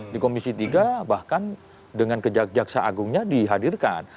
di komisi tiga bahkan dengan kejaksaan agungnya dihadirkan